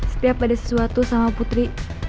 setiap ada sesuatu sama putri